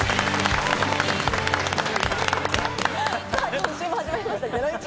今週も始まりました『ゼロイチ』。